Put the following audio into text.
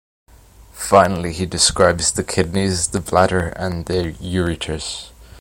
Finally, he describes the kidneys, the bladder, and the ureters.